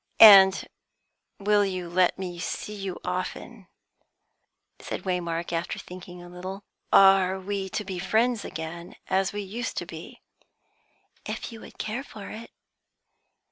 "And will you let me see you often?" said Waymark, after thinking a little. "Are we to be friends again, as we used to be?" "If you would care for it."